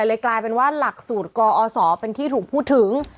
มันคืออะไรและกลายเป็นว่าหลักสูตรกอศเป็นที่ถูกพูดถึง